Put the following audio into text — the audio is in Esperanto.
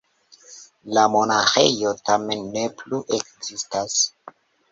La monaĥejo tamen ne plu ekzistas.